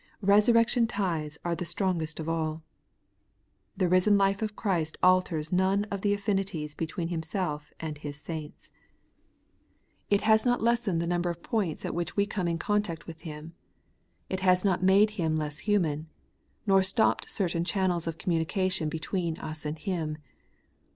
Eesurrection ties are the strongest of all. The risen life of Christ alters none of the affinities between Himself and His saints ; it has not lessened 138 The Everlasting Righteousness. the number of the points at which we come in con tact with Him ; it has not made Him less human, nor stopped certain channels of communication between us and Him.